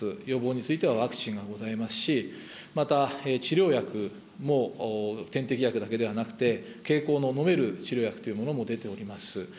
予防についてはワクチンがございますし、また治療薬も点滴薬だけではなくて、経口の、飲める治療薬というものも出ております。